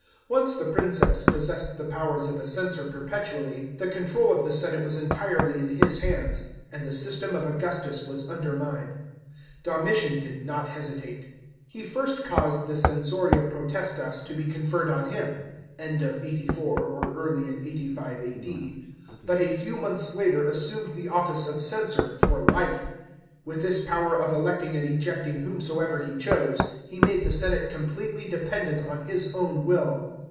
Once the Princeps possessed the powers of a censor perpetually, the control of the senate was entirely in his hands, and the system of Augustus was undermined. Domitian did not hesitate. He first caused the censoria potestas to be conferred on him (end of 84 or early in 85 A.D.), but a few months later assumed the office of censor for life.* With this power ot electing; and ejecting whomsoever he chose, he made the senate completely dependent on his own will.